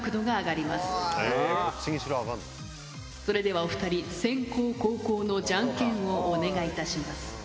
それではお２人。をお願いいたします。